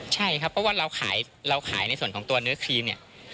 ใช่ครับเพราะว่าเราขายในส่วนของตัวเนื้อครีมเนี่ย